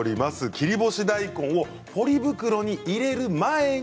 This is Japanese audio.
切り干し大根をポリ袋に入れる前に